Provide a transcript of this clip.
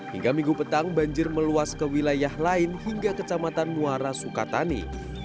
hingga minggu petang banjir meluas ke wilayah lain hingga kecamatan muara sukatani